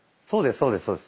そうですそうです。